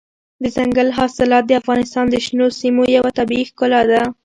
دځنګل حاصلات د افغانستان د شنو سیمو یوه طبیعي ښکلا ده.